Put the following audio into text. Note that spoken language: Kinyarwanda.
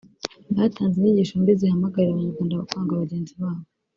batanze inyigisho mbi zihamagarira abanyarwanda kwanga bagenzi babo